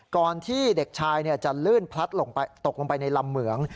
ก่อนที่เด็กชายจะลื่นพลัดตกลงไปในลำเหมือง